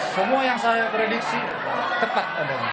semua yang saya prediksi tepat adanya